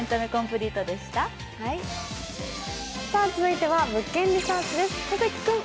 続いては「物件リサーチ」です。